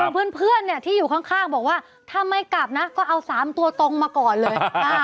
เพื่อนที่อยู่ข้างบอกว่าถ้าไม่กลับนะก็เอา๓ตัวตรงมาก่อนเลย